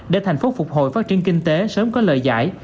để thành phố phục hồi phát triển kinh tế sớm có lời giải